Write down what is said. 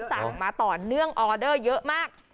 สั่งมาต่อเนื่องออเดอร์เยอะมาก